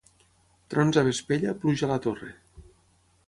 Trons a Vespella, pluja a la Torre.